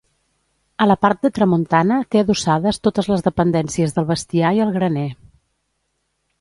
A la part de tramuntana té adossades totes les dependències del bestiar i el graner.